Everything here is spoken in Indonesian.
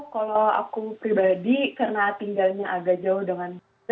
kalau aku pribadi karena tinggalnya agak jauh dengan